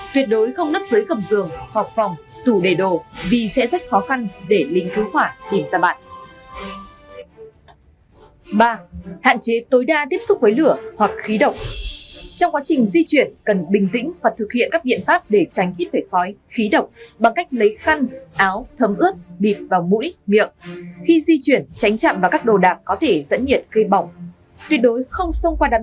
tuyệt đối không nấp dưới cầm giường họp phòng tủ đề đồ vì sẽ rất khó khăn để lính cứu khỏa tìm ra bạn